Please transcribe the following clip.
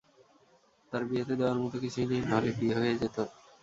তার বিয়েতে দেওয়ার মতো কিছুই নেই, নাহলে বিয়ে হয়ে যেতো।